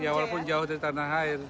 ya walaupun jauh dari tanah air